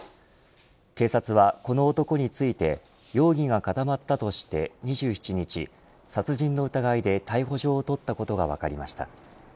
警察はこの男について容疑が固まったとして２７日殺人の疑いで逮捕状を取ったことが分かりました。